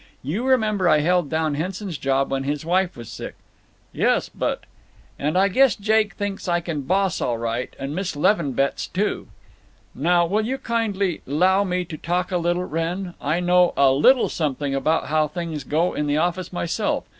You remember I held down Henson's job when his wife was sick." "Yes, but—" "And I guess Jake thinks I can boss all right, and Miss Leavenbetz, too." "Now will you kindly 'low me to talk a little, Wrenn? I know a little something about how things go in the office myself!